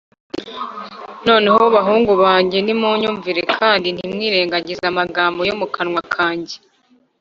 noneho bahungu banjye, nimunyumvire, kandi ntimwirengagize amagambo yo mu kanwa kanjye